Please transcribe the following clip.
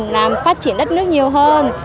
làm phát triển đất nước nhiều hơn